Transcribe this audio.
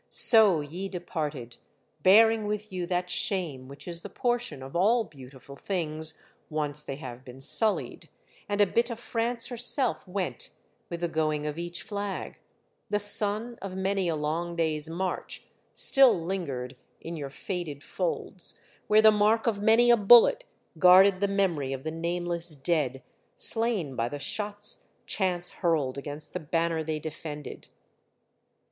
So ye departed, bearing with you that shame which is the portion of all beautiful things, once they have been sullied ; and a bit of France herself went with the 124 Monday Tales, going of each flag ; the sun of many a long day's march still lingered in your faded folds, where the mark of many a bullet guarded the memory of the nameless dead, slain by the shots chance hurled against the banner they defended.